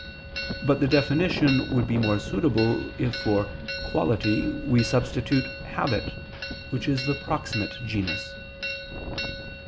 But the definition would be more suitable if for "quality" we substitute "habit," which is the proximate genus.